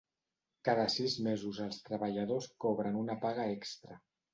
Cada sis mesos els treballadors cobren una paga extra.